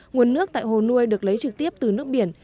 nguồn nước tại hồ nuôi được lấy trực tiếp từ nước biển